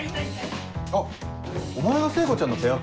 あっお前が聖子ちゃんのペアっ子か。